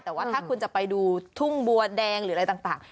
แต่ว่าถ้าคุณจะไปดูทุ่งบัวแดงหรืออะไรต่าง